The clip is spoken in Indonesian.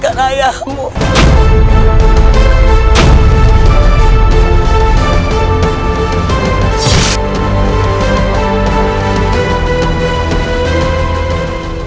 akulah yang mengakhirkan ayahmu